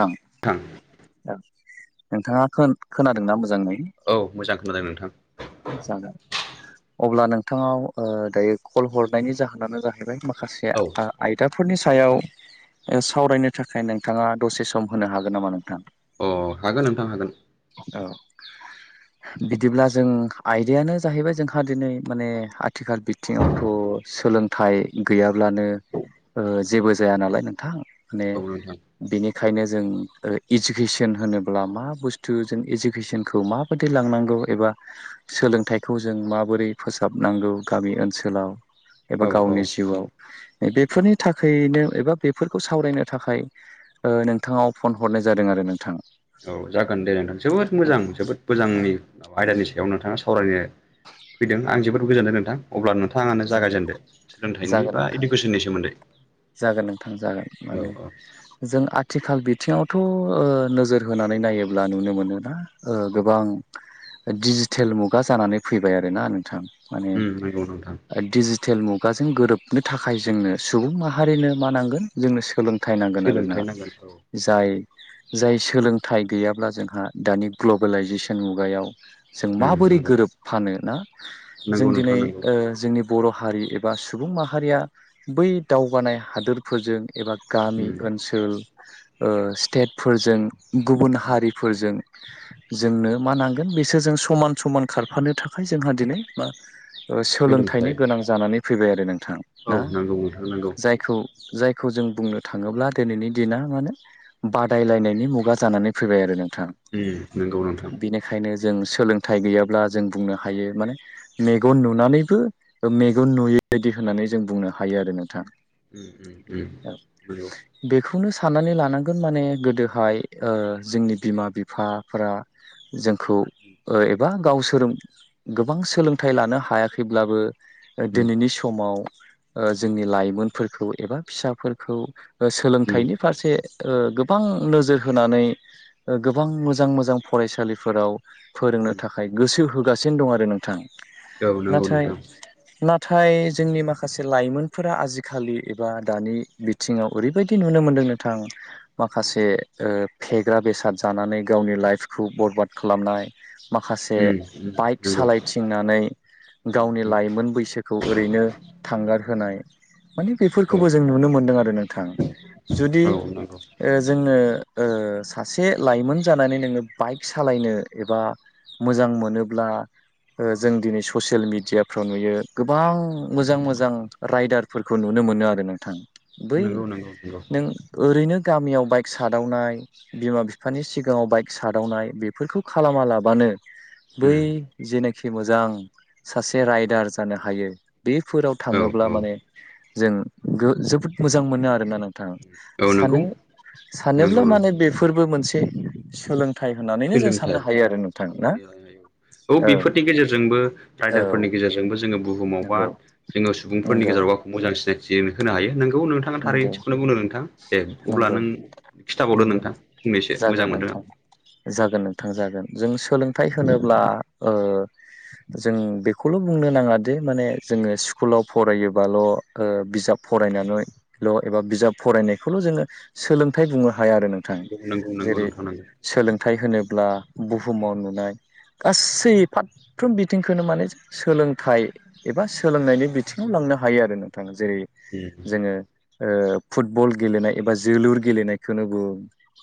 थां नोंथाङा खो-खोनादोंना मोजाङै? औ मोजां खोनादों नोंथां । [unintelligible] अब्ला नोंथांनाव ओ दायो कल हरनायनि जाहोनानो जाहैबाय मा खासे औ आ-आयदा फोरनि सायाव ओ सावरायनो थाखाय नोंथाङा दसे सम होनो हागोन नामा नोंथां? अ हागोन नोंथां हागोन । अ । बिदिब्ला जों आयदायानो जाहैबाय जोंहा दिनै माने आथिखाल बिथिङावथ' सोलोंथाइ गैयाब्लानो ओ जेबो जाया नालाय नोंथां? माने औ नोंथां बेनिखायनो जों ओ इज्जुकेसन होनोब्ला मा बुस थु जों इज्जुकेसनखौ माबादि लांनांगौ एबा सोलोंथाइखौ जों माबोरै फोसाबनो नांगौ गामि ओनसोलाव एबा औ औ गावनि जिउआव । बेफोरनि थाखै नो एबा बेफोरखौ सावरायनो थाखाय ओ नोंथांनाव फन हरनाय जादों आरो नोंथां । औ जागोन दे नोंथां जोबोद मोजां जोबोद मोजांनि आयदानि सायाव नोंथाङा सावरायनो फैदों औ आं जोबोद गोजोनदों नोंथां अब्ला नों थाङानो जागोन जागायजेनदो सोलोंथाइनि जागोन बा नोंथां इडुकेसननि सोमोन्दै । जागोन नोंथां जागोन माने औ जों आथिखाल बिथिङाव थ' ओ नोजोर होनानै नायोब्ला नुनो मोनो ना ओ गोबां दिडिजिटेल मुगा जानानै फैबाय आरोना नोंथां? उम नंगौ नोंथां । दिडिजिटेल मुगाजों गोरोबनो थाखाय जोंनो सुबुं माहारिनो मा नांगोन जोंनो सोलों थाय नांगोन आरो ना सोलोंथाइ नांगोन औ जाय जाय सोलोंथाइ गैयाब्ला जोंहा दानि ग्लबेलाइजेसन मुगायाव जों उम माबोरै नंगौ गोरोब फानो ना जों नंगौ नोंथां दिनै नंगौ ओ जोंनि बर' हारि एबा सुबुं माहारिया बै दावगानाय हादोरफोरजों एबा गामि उम ओनसोल ओ स्टेटफोरजों गुबुन उम हारिफोरजों जोंनो मा नांगोन बेसोर जों समान-समान खारफानो थाखाय जोंहा दिनै ओ सोलोंथाइनि सोलोंथाइ गोनां जानानै फैबाय आरो नोंथां औ ना नंगौ नोंथां नंगौ जायखौ जायखौ जों बुंनो थाङोब्ला दोनैनि दिना माने बादायलायनायनि मुगा जानानै फैबाय आरो नों उम नोंगौ नोंथां । जों सोलोंथाइ गैयाब्ला जों बुंनो हायो माने मेगन नुनानैबो मेगन नुयै बायदि होननानै जों बुंनो हायो आरो नोंथां । उम-उम-उम नोंगौ । खौनो साननानै लानांगोन माने गोदोहाय ओ जोंनि बिमा-बिफाफोरा जोंखौ ओ एबा गावसोरो गोबां सोलोंथाइ लानो हायाखैब्लाबो ओ उम दोनैनि समाव ओ जोंनि लाइमोनफोरखौ एबा फिसाफोरखौ उम सोलोंथाइनि फारसे ओ गोबां नोजोर होनानै ओ गोबां मोजां-मोजां फरायसालिफोराव फोरोंनो उम थाखाय गोसो होगासिनो दं आरो नोंथां । औ नंगौ नोंथां । नाथाय जोंनि माखासे लाइमोनफोरा आजिखालि एबा दानि बिथिङाव ओरैबायदि नुनो मोन्दों नोंथां माखासे फेग्रा बेसाद जानानै गावनि लाइफखौ बरबाद खालामनाय माखासे उम बाइक नंगौ सालायथिंनानै उम गावनि उम लाइमोन खौ ओरैनो थांगार होनाय माने औ बेफोरखौबो जों नुनो मोनदों आरो नोंथां जुदि औ नंगौ जोङो ओ सासे लाइमोन जानानै नोङो बाइक सालायनो एबा मोजां मोनोब्ला उम जों दिनै ससियेल मेडियाफ्राव नुयो गोबां उम मोजां मोजां राइदारफोरखौ नुनो मोनो आरो नोंथां बै नंगौ नंगौ नंगौ नों ओरैनो गामियाव बाइक सादावनाय बिमा बिफानि सिगाङाव बाइक सादावनाय बेफोरखौ खालाम मा लाबानो बै उम जेनोखि मोजां सासे राइडार जानो हायो बेफोराव औ थाङोब्ला माने जों जोबोद मोजां मोनो आरोना नं नंगौ नंगौ सानोब्ला नंगौ माने बेफोरबो मोनसे सोलों थाइ होननानैनो जों साननो सोलोंथाइ हायो आरो नोंथां ना साननानै लानो हायो औ बेफोरनि गेजेरजोंबो औ राइडारफोरनि गेजेरजोंबो जोङो बुहुमाव बा नंगौ जोङो सुबुंफोरनि नंगौ गेजेराव गावखौ मोजां सिनायथि होनो हायो नों औ नोंथाङा थारै नंगौ थखौनो बुंदों नोंथां दे अब्ला नंगौ नों खिन्थाबावदो नंगौ नोंथां फंनैसो जागोन मोजां मोनदों आं नोंथां जागोन नोंथां जागोन जों सोलोंथाइ होनोब्ला‌ ओ जों बेखौल' बुंनो नाङा दि माने जोङो स्कुलाव फरायोबाल' ओ बिजाब फरायनानैल' एबा बिजाब फरायनायखौल' जोङो सोलोंथाइ बुंनो हाया आरो नोंथां नोंगौ जेरै नोंथां नोंगौ सोलोंथाइ होनोब्ला बुहुमाव नुनाय गासै फारफ्रोम बिथिंखौनो माने सोलोंथाइ एबा सोलोंनायनि बिथिङाव लाम नो हायो आरो नोंथाङा जेरै जोङो ओ फुटबल गेलेनाय एबा जोलुर गेलेनायखौनो बु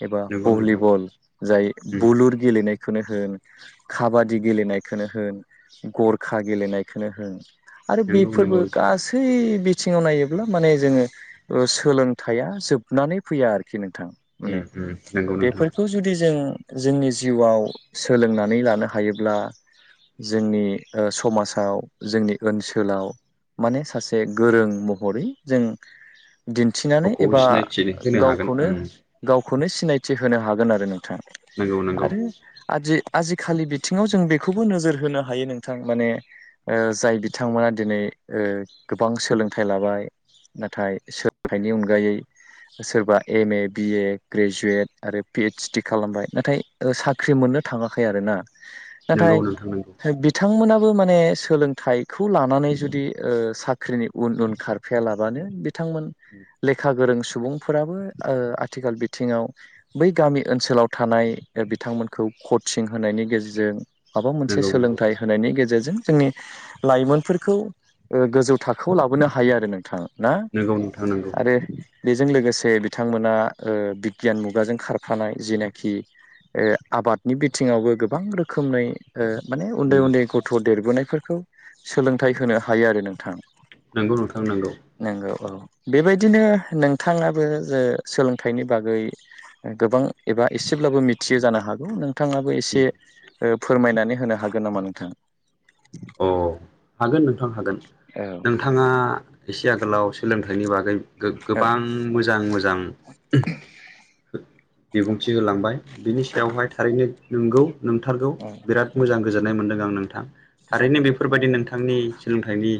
एबा नंगौ नोंथां भलिबल जाय बुलुर गेलेनायखौनो होन काबादि गेलेनायखौनो होन गरखा गेलेनायखौनो होन आरो नंगौ नंगौ बेफोरबो नोंथां गासै बिथिङाव नायोब्ला माने जोङो ओ सोलोंथाइया जोबनानै फैया आरोखि नोंथां माने नोंगौ नोंथां बेखौ जुदि जों जोंनि जिउआव सोलोंनानै लानो हायोब्ला जोंनि समाजाव जोंनि ओनसोलाव माने सासे गोरों महरै जों दिन्थिनानै गावखौ एबा सिनायथि होनो हागोन गावखौनो उम गावखौनो सिनायथि होनो हागोन आरो नोंथाङा नंगौ आरो खालि बिथिङाव जों बेखौबो नोजोर होनो हायो नोंथां माने जाय बिथांमोना दिनै गोबां सोलोंथाइ लाबाय नाथाय सोलोंथाइनि अनगायै सोरबा एम ए, बिए ग्रेजुएट, आरो पि एइसडि खालामबाय नाथाय साख्रि मोन थाङाखै आरोना नाथाय नंगौ नंगौ नोंथां नंगौ बिथांमोना बो माने सोलोंथाइखौ लानानै जुदि साख्रिनि उन उन खारफायाला बिथांमोन लेखा गोरों सुबुंफोराबो ओ आथिखाल बिथिङाव बै गामि ओनसोलाव थानाय बिथांमोनखौ कचिं होनायनि गेजेरजों माबा मोनसे नंगौ नंगौ सोलोंथाइ होनायनि गेजेरजों जोंनि लाइमोनफोरखौ ओ गोजौ थाखोआव लाबोनो हायो आरो नोंथाङा ना नंगौ नोंथां नंगौ आरो जों लोगोसे बिथांमोना ओ बिगियान मुगाजों खारफानाय जेनाखि ओ आबादनि बिथिङावबो गोबां रोखोमै ओ माने उन्दै उम उन्दै गथ' देरबोनायफोरखौ सोलोंथाइ होनो हायो आरो नोंथां नंगौ नोंथां नांगौ नंगौ औ बेबायदिनो नोंथाङाबो जे सोलोंथाइनि बागै गोबां एबा एसेब्लाबो मिथि थियो जानो हागौ नोंथाङाबो उम एसे फोरमायनानै होनो हागोन नामा नोंथाङा? अ हागोन नोंथां हागोन औ नोंथाङा एसे आग आथिखालाव सोलोंथाइनि बागै औ गोबां मोजां मोजां बिबुंथि होलांबाय बिनि सायावहाय थारैनो नोंगौ। नोंथारगौ औ बिराद औ मोजां गोजोननाय मोनदों आं नोंथां। थारैनो जागोन नोंथां बेफोरबायदि नोंथांनि सोलोंथाइनि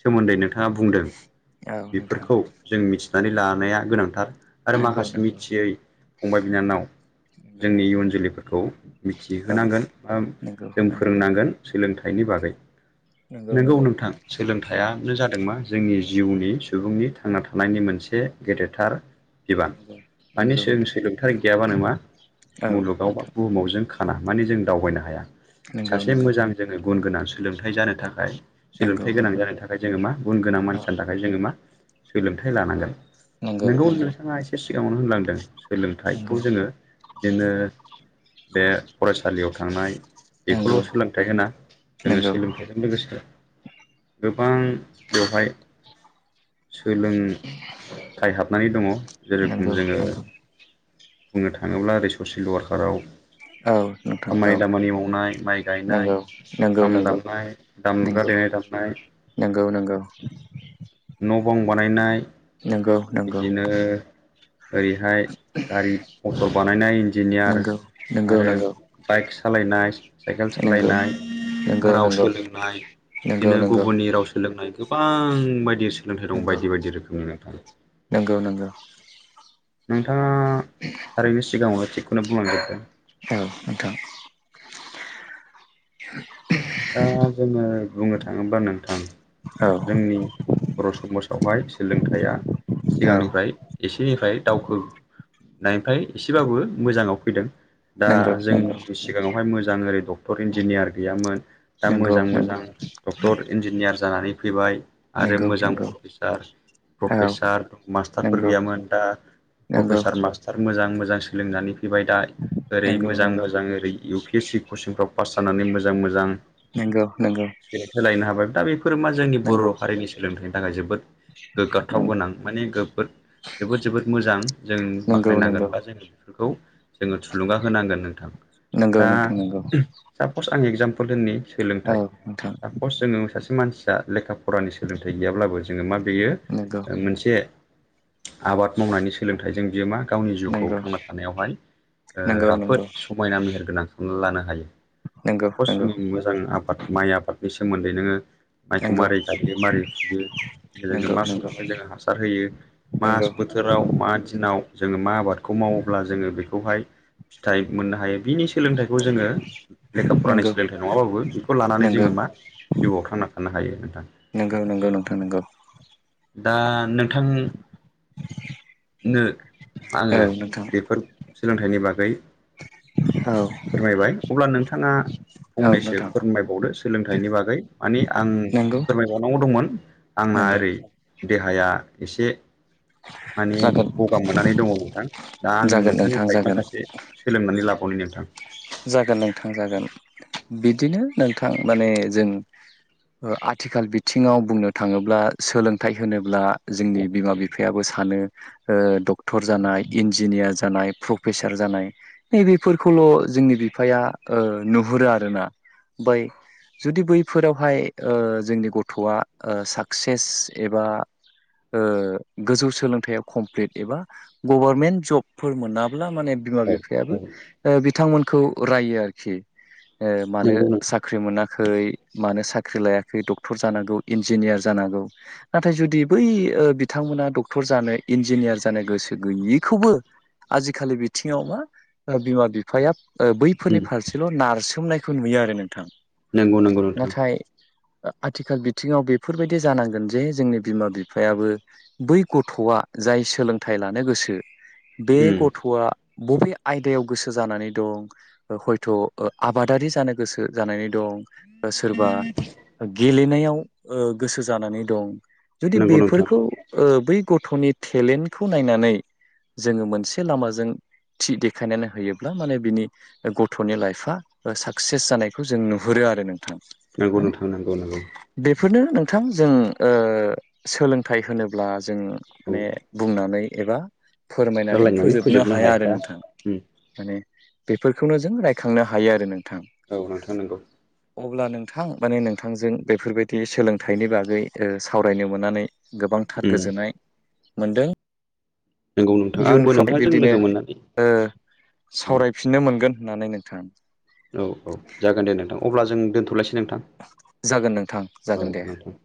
सोमोन्दै नोंथाङा बुंदों जागोन औ नोंथां बेफोरखौ जों मिथिनानै लानाया गोनांथार। आरो नंगौ माखासे नंगौ मिथियै फंबाय बिनानाव नंगौ जोंनि इयुन नंगौ जोलैफोरखौ औ मिथिहोनांगोन बा नंगौ जों नंगौ फोरोंनांगोन। सोलोंथाइनि बागै नंगौ नोंगौ नंगौ नोंथां औ सोलोंथाइयानो जादों मा जोंनि जिउनि सुबुंनि थांना थानायनि मोनसे गेदेरथार बिबां नंगौ माने नंगौ सोलों- नोंथां सोलोंथाइ गैयाबानो मा औ मुलुगाव बा नोंथां बुहुमाव जों साना माने जों दावबायनो हाया। नंगौ सासे -नंगौ। मोजां जोङो गुन गोनां सोलोंथाइ जानो थाखाय नंगौ सोलोंथाइ गोनां नंगौ जानो थाखाय जोङो मा गुन गोनां औ मानसि जानो थाखाय जोङो मा सोलोंथाइ लानांगोन। नंगौ नोंगौ नंगौ नोंथाङा एसे सिगाङावनो होनलांदों नंगौ सोलोंथाइखौ जोङो जोंङो बे फरायसालियाव थांनाय नंगौ बेखौल सोलोंथाइ होना। जोङो नंगौ सोलोंथाइजों लोगोसे गोबां बेवहाय सोलोंथाय हाबनानै दङ नंगौ जेरखम जोङो बुंनो थाङोब्ला ओरै ससियेल वारकाराव औ नोंथां औ खामानि -दामानि मावनाय माइ नंगौ गायनाय नंगौ खाम दामनाय दामग्रा नंगौ देनाय दामनाय नंगौ नंगौ न बां बानायनाय नंगौ -नंगौ। बिदिनो ओरैहाय गारि मटर बानायनाय इन्जिनियार नंगौ नंगौ नंगौ आरो बाइक सालायनाय साइकेल सालायनाय नंगौ राव नंगौ सोलोंनाय नंगौ नंगौ बिदिनो गुबुननि राव सोलोंनाय गोबां बायदि सोलोंथाय दं बायदि -बायदि रोखोमनि नोंथां। नंगौ नंगौ नंगौ नोंथाङा थारैनो सिगाङावनो थिगखौनो बुंलांदों। औ नोंथां। दा जोङो बुंनो थाङोब्ला नोंथां औ जोंनि बर समाज आवहाय सोलोंथाइया औ सिगांनिफ्राय एसे बिनिफ्राय दावखोनायफ्राय एसेबाबो मोजाङाव फैदों। दा नंगौ नंगौ जोंनि सिगाङावहाय मोजां ओरै डक्टर इन्जिनियार गैयामोन। दा नंगौ मोजां- नंगौ मोजां डक्टर इन्जिनियार जानानै फैबाय आरो नंगौ मोजां नंगौ प्रफेसार औ प्रफेसार दं मास्टारफोर नंगौ गैयामोन दा नंगौ प्रफेसार मास्टार मोजां- मोजां मोजां सोलोंनानै बेबाय दा ओरै नंगौ मोजां- नंगौ मोजां ओरै इउ पि एस सि कचिंफ्राव पास जानानै मोजां- मोजां नंगौ- नंगौ। बेफोर मा जोंनि बर नंगौ हारिनि सोलोंथाइनि थाखाय जोबोद गोग्गाथाव गोनां माने गोबोद जोबोद- जोबोद मोजां जों नंगौ बाख्नायनांगोन नंगौ बा जोङो बेफोरखौ जोङो थुलुंगा होनांगोन नोंथां। नंगौ दा नोंथां नंगौ सापस आं एगजामपोल दोननि औ सोलोंथाइ नोंथां सापस जोङो सासे मानसि दा लेखा फरानि सोलोंथाइ गैयाब्लाबो जोङो मा बेयो नंगौ मोनसे आबाद मावनायनि सोलोंथाइजों बियो मा गावनि जिउखौ नंगौ थांना थानायावहाय नंगौ नंगौ ओ-राफोद समायना मेहेर गोनां खालामना लानो हायो। नंगौ- नंगौ। ओं आबाद माइ आबादनि सोमोन्दै नोङो माइखौ नंगौ मारै गायो मारोरै फुयो जोङो नंगौ नंगौ मा समावहाय जोङो हासार होयो मा नंगौ बोथोराव मा दिनाव जोङो मा आबादखौ माव मावोब्ला जोङो बेखौहाय फिथाइ मोननो हायो बिनि सोलोंथाइखौ जोङो लेखा फरानि नंगौ सोलोंथाइ नङाबाबो बेखौ लानानै नंगौ जोङो मा जिउआव थांना थानो हायो नोंथां। थां नंगौ। दा नोंथां नो औ आङो नोंथां बेफोर सोलोंथाइनि बागै औ फोरमायबाय अब्ला नोंथाङा औ फंनैसो नोंथां फोरमायबावदो सोलोंथाइनि बागै माने आं नंगौ फोरमायबावनांगौ दंमोन आं मा नंगौ ओरै देहाया एसे माने जागोन गगा मोननानै दङ नोंथां दा आं जागोन नोंथां नोंथांनिफ्राय जागोन माखासे सोलोंनानै लाबावनि नोंथां। जागोन नोंथां जागोन बिदिनो नोंथां माने जों ओ आथिखाल बिथिङाव बुंनो थाङोब्ला सोलोंथाइ होनोब्ला जोंनि बिमा बिफायाबो सानो ओ डक्टर जानाय इन्जिनियार जानाय प्रफेसार जानाय नैबेफोरखौल' जोंनि बिफाया ओ नुहुरो आरोना ओमफाय जुदि बैफोरावहाय ओ जोंनि गथ'आ ओ साक्सेस एबा ओ गोजौ सोलोंथाइयाव कमप्लिट एबा गभारमेन्ट जबफोर मोनाब्ला माने बिमा औ बिफायाबो औ बिथांमोन खौ रायो आरोखि मानो नंगौ नोंथां साख्रि मोना मानो साख्रि लायाखै डक्टर जानांगौ इन्जिनियार जानांगौ नाथाय जुदि बै ओ बिथांमोना डक्टर जानो इन्जिनियार जानो गोसो गैयैखौबो आजिखालि बिथिङाव मा बिमा - बिफाया ओ बैफोरनि उम फारसेल' नारसोमनायखौ नुयो आरो नोंथां। नंगौ नंगौ नोंथां। ओ आथिखाल बिथिङाव बेफोरबायदि जानांगोन जे जोंनि बिमा बिफायाबो बै गथ'आ जाय सोलोंथाइ लानो गोसो बे उम गथ'आ बबे आयदायाव गोसो जानानै दं हयथ' ओ आबादारि जानो गोसो जानानै दं सोरबा गेलेनायाव ओ गोसो जानानै दं। जुदि नंगौ नोंथां बेफोरखौ ओ बै गथ'नि टेलेन्टखौ नायनानै जोङो मोनसे लामाजों थि देखायनानै होयोब्ला माने बिनि गथ'नि लाइफआ साक्सेस जानायखौ जों नुहुरो आरो नोंथां। नंगौ माने नोंथां नंगौ नंगौ बेफोरनो नोंथां जों ओ सोलोंथाइ होनोब्ला जों माने औ बुंनानै एबा फोरमायनानै रायलायनानै फोजोबनो हाया आरो हाखाया नोंथां उम माने बेफोरखौनो जों रायखांनो हायो आरो नों औ नोंथां नंगौ। नोंथां माने नोंथांजों बेफोरबायदि सोलोंथाइनि बागै ओ सावरायनो मोननानै गोबांथार उम गोजोननाय मोनदों। नंगौ नोंथां आंबो इयुनफ्राव नोंथांजों बिदिनो लोगो मोननानै ओ उम सावरायफिननो मोनगोन होननानै नोंथा औ औ जागोन दे नोंथां अब्ला जों दोनथ'लायसै नोंथां जागोन नोंथां औ जागोन दे नोंथां।